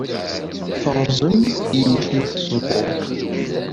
Terẓem yiwet n tzewwut.